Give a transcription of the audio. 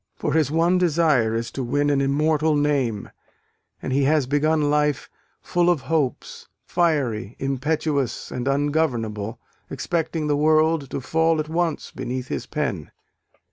For his one desire is to win an immortal name and he has begun life "full of hopes, fiery, impetuous, and ungovernable, expecting the world to fall at once beneath his pen.